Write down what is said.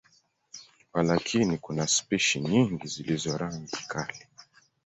Walakini, kuna spishi nyingi zilizo rangi kali.